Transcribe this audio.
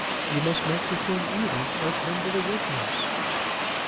You must make the thing even, or come to the workhouse."